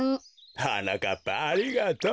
はなかっぱありがとう。